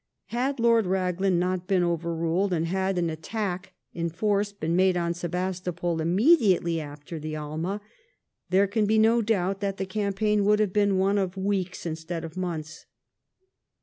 Had Lord Raglan not been overruled, and had an attack in force been made on Sebastopol immediately after the Alma, there can be no doubt that the campaign would have been one of weeks instead of months.